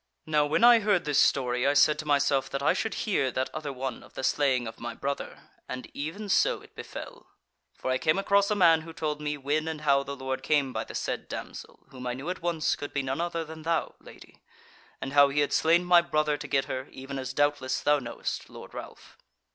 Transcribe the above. "Now when I heard this story I said to myself that I should hear that other one of the slaying of my brother, and even so it befell. For I came across a man who told me when and how the Lord came by the said damsel (whom I knew at once could be none other than thou, Lady,) and how he had slain my brother to get her, even as doubtless thou knowest, Lord Ralph.